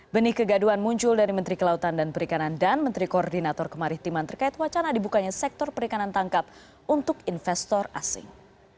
benih kegaduan muncul dari menteri kelautan dan perikanan dan menteri koordinator kemaritiman terkait wacana dibukanya sektor perikanan tangkap untuk investor asing